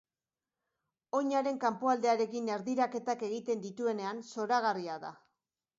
Oinaren kanpoaldearekin erdiraketak egiten dituenean, zoragarria da.